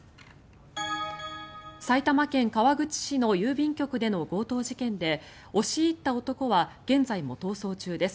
埼玉県川口市の郵便局での強盗事件で押し入った男は現在も逃走中です。